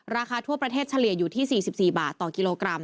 ทั่วประเทศเฉลี่ยอยู่ที่๔๔บาทต่อกิโลกรัม